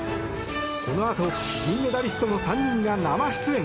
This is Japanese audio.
このあと銀メダリストの３人が生出演。